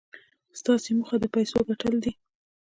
ستاسې موخه د پيسو ګټل دي.